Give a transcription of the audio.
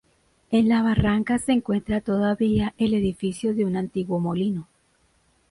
En la barranca se encuentra todavía el edificio de un antiguo molino.